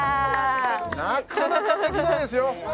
なかなかできないですよ